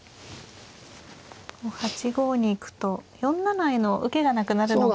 ８五に行くと４七への受けがなくなるのが。